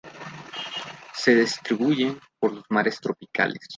Se distribuyen por los mares tropicales.